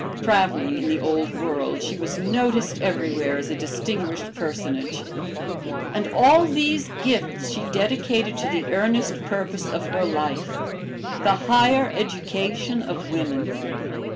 Traveling in the Old World she was noticed everywhere as a distinguished personage. And all these gifts she dedicated to the earnest purpose of her life, the higher education of women.